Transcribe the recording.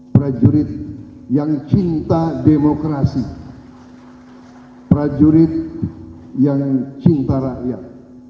prajurit yang cinta demokrasi prajurit yang cinta rakyat